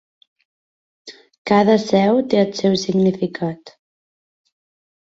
Cada seu té el seu significat.